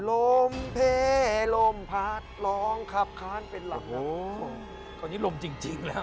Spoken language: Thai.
ลมเพลลมพัดร้องขับค้านเป็นหลักโอ้ตอนนี้ลมจริงจริงแล้ว